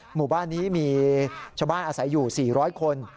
หมู่บ้านนี้มีชาวบ้านอาศัยอยู่๔๐๐คน